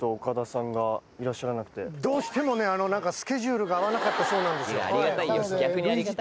どうしてもね何かスケジュールが合わなかったそうなんです。